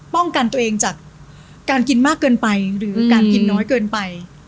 ป้องกันตัวเองจากการกินมากเกินไปหรือการกินน้อยเกินไป